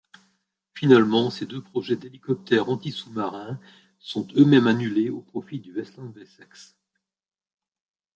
Finalement, ces deux projets d'hélicoptères anti-sous-marins sont eux-mêmes annulés au profit du Westland Wessex.